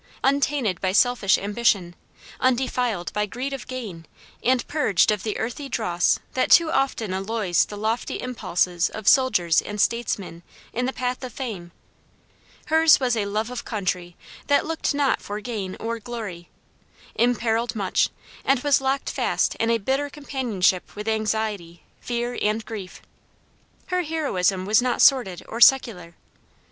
Untainted by selfish ambition, undefiled by greed of gain, and purged of the earthy dross that too often alloys the lofty impulses of soldiers and statesmen in the path of fame, hers was a love of country that looked not for gain or glory, imperiled much, and was locked fast in a bitter companionship with anxiety, fear, and grief. Her heroism was not sordid or secular.